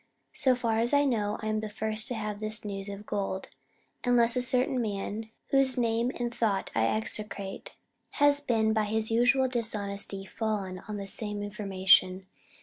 So far as I know, I am the First to have this news of Gold, unless a certain man whose name and thought I execrate has by his Usual dishonesty fallen on the same information.